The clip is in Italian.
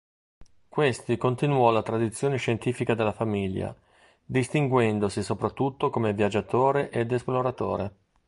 Questi continuò la tradizione scientifica della famiglia distinguendosi soprattutto come viaggiatore ed esploratore.